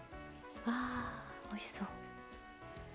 おいしそう。